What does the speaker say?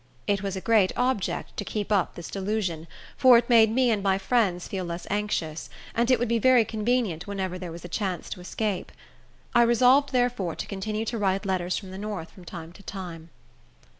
It was a great object to keep up this delusion, for it made me and my friends feel less anxious, and it would be very convenient whenever there was a chance to escape. I resolved, therefore, to continue to write letters from the north from time to time.